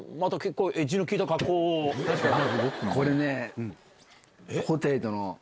これね。